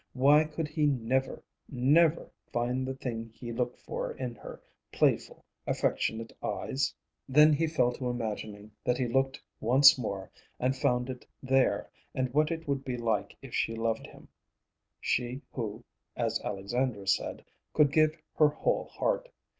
Why could he never, never find the thing he looked for in her playful, affectionate eyes? Then he fell to imagining that he looked once more and found it there, and what it would be like if she loved him,—she who, as Alexandra said, could give her whole heart.